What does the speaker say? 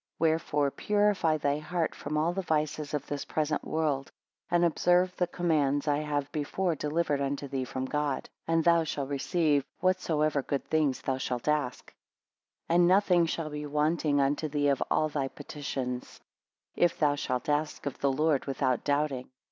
4 Wherefore purify thy heart from all the vices of this present world; and observe the commands I have before delivered unto thee from God; and thou shall receive whatsoever good things thou shalt ask, and nothing shall be wanting unto thee of all thy petitions; if thou shalt ask of the Lord without doubting.